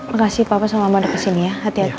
makasih papa sama mama udah kesini ya hati hati